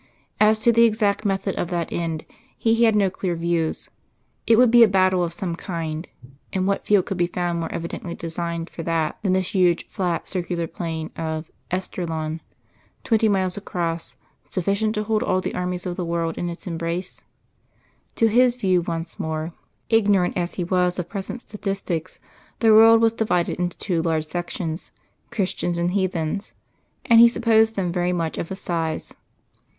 As to the exact method of that end, he had no clear views; it would be a battle of some kind, and what field could be found more evidently designed for that than this huge flat circular plain of Esdraelon, twenty miles across, sufficient to hold all the armies of the earth in its embrace? To his view once more, ignorant as he was of present statistics, the world was divided into two large sections, Christians and heathens, and he supposed them very much of a size.